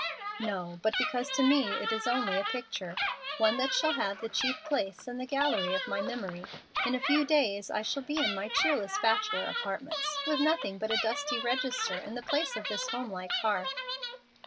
"No, but because to me it is only a picture one that shall have the chief place in the gallery of my memory. In a few days I shall be in my cheerless bachelor apartments, with nothing but a dusty register in the place of this home like hearth."